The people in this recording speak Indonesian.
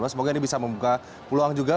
semoga ini bisa membuka peluang juga